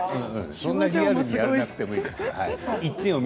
そんなリアルにやらなくていいです。